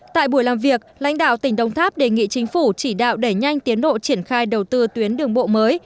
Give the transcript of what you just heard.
tại buổi làm việc lãnh đạo tỉnh đồng tháp đề nghị chính phủ chỉ đạo đẩy nhanh tiến độ triển khai đầu tư tuyến đường bộ mới